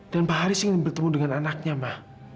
dan pak haris ingin bertemu dengan anaknya ma